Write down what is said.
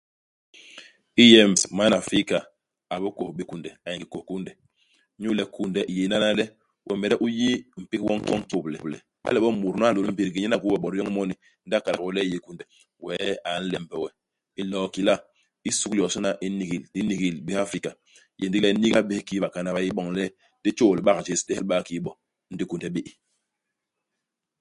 Iyem pes man Afrika a bikôs bé kunde. A yé ngi kôs kunde. Inyu le kunde i yé lana le, wemede u yi mpék woñ kiki u nkôble. Iba le bo mut nu a nlôl i mbégé nyen a gwéé we bot yoñ i moni, ndi a kakal we le u yé kunde, wee a nlembe we. Iloo ki la isukulu yosôna i n'nigil di n'nigil, bés i Afrika, i yé ndigi le i n'niiga bés kiki bakana ba yé iboñ le di tjôô libak jés yak di helba kiki bo. Ndi kunde bé i.